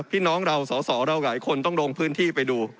พี่น้องเราสอสอเราหลายคนต้องลงพื้นที่ไปดู